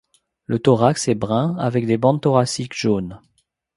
Le thorax est brun avec des bandes thoraciques jaunes.